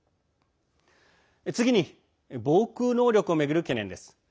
次に防空能力を巡る懸念です。